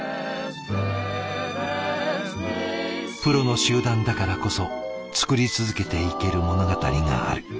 プロの集団だからこそ作り続けていける物語がある。